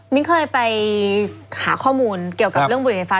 เคยไปหาข้อมูลเกี่ยวกับเรื่องบุหรี่ไฟฟ้า